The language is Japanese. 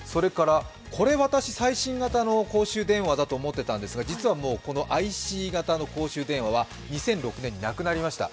これ、最新型の公衆電話だと思っていたんですけど実はもうＩＣ型の公衆電話は２００６年になくなりました。